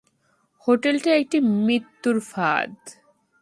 হোটেলটা একটি মৃত্যুর ফাঁদ।